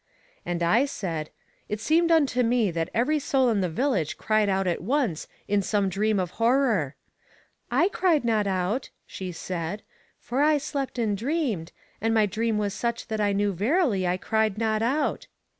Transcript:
And I said, It seemed unto me that every soul in the village cried out at once in some dream of horror. I cried not out, she said; for I slept and dreamed, and my dream was such that I know verily I cried not out.